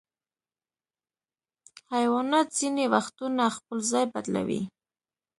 حیوانات ځینې وختونه خپل ځای بدلوي.